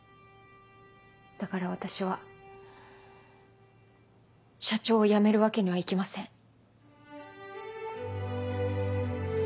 だから私は社長を辞めるわけにはいきません。